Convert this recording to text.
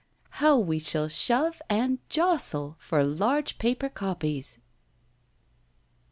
How we shall shove and jostle for large paper copies!